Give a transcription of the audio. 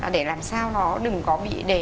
để làm sao nó đừng có bị để